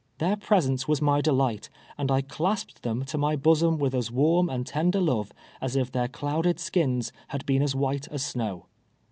Their presence was my delight ; and I clasped them to my bosom with as warm and tender love us if their clouded skins had been as white as snow.